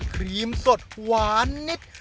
ครีมสดหวานนิด